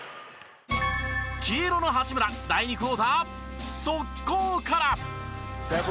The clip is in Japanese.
黄色の八村第２クオーター速攻から。